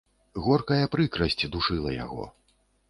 Горкая прыкрасць душыла яго.